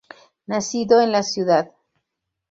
Nacido en la cd.